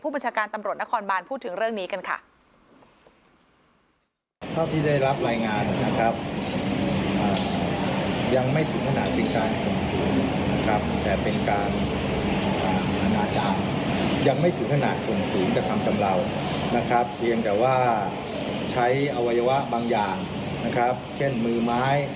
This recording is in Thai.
บัญชาการตำรวจนครบานพูดถึงเรื่องนี้กันค่ะ